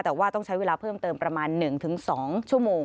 แต่ว่าต้องใช้เวลาเพิ่มเติมประมาณ๑๒ชั่วโมง